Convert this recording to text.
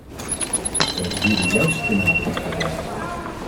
We hebben hier de juiste benadering gevolgd.